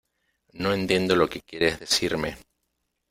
no entiendo lo que quieres decirme.